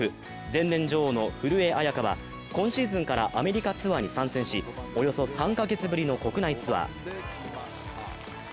前年女王の古江彩佳は今シーズンからアメリカツアーに参戦し、およそ３か月ぶりの国内ツアー。